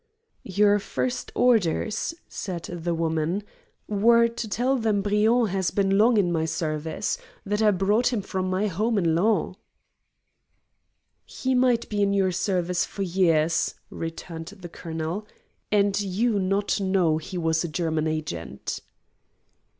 "Your first orders," said the woman, "were to tell them Briand had been long in my service; that I brought him from my home in Laon." "He might be in your service for years," returned the colonel, "and you not know he was a German agent."